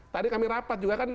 tadi kami rapat juga kan